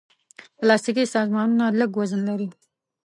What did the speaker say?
پلاستيکي سامانونه لږ وزن لري.